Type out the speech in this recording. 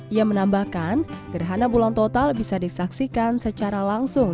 ia menambahkan gerhana bulan total bisa disaksikan secara langsung